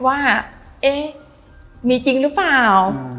ว่าเอ๊ะมีจริงหรือเปล่า